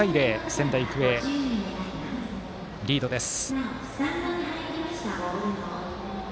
仙台育英、リードです。